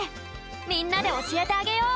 みんなでおしえてあげよう。